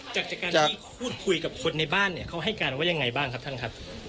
จากการที่พูดคุยกับคนในบ้านเนี่ยเขาให้การว่ายังไงบ้างครับท่านครับ